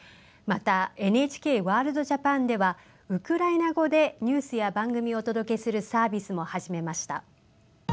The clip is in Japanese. また「ＮＨＫワールドＪＡＰＡＮ」ではウクライナ語でニュースや番組をお届けするサービスも始めました。